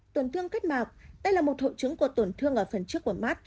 tổn thương kết mạc đây là một hội chứng của tổn thương ở phần trước của mắt